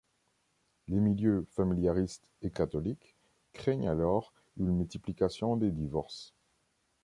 Les milieux familiaristes et catholiques craignent alors une multiplication des divorces.